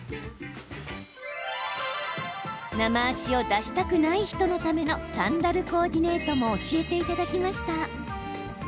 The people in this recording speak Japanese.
ナマ足を出したくない人のためのサンダルコーディネートも教えていただきました。